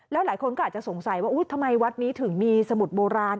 แล้วหลายคนก็อาจจะสงสัยว่าทำไมวัดนี้ถึงมีสมุดโบราณ